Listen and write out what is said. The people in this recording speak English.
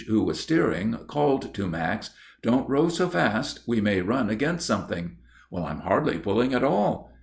who was steering, called to Max: "Don't row so fast; we may run against something." "I'm hardly pulling at all."